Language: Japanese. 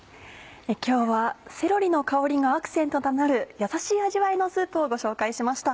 今日はセロリの香りがアクセントとなるやさしい味わいのスープをご紹介しました。